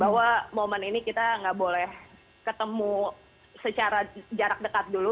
bahwa momen ini kita nggak boleh ketemu secara jarak dekat dulu